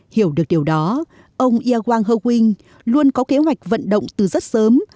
hiểu được điều đó ông yawang heo wing luôn có kế hoạch vận động từ rất sớm